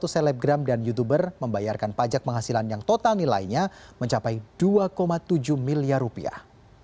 satu selebgram dan youtuber membayarkan pajak penghasilan yang total nilainya mencapai dua tujuh miliar rupiah